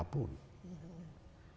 tidak punya nilai apa apa